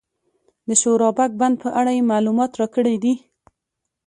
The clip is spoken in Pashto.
د شورابک بند په اړه یې معلومات راکړي دي.